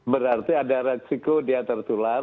berarti ada resiko dia tertular